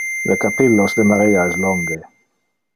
Le capillos de Maria es longe.